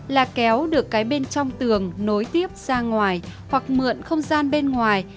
là kéo được cái bên trong tường nối tiếp ra ngoài hoặc mượn không gian bên ngoài